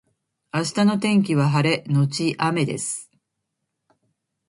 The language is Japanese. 明日の天気は晴れのち雨です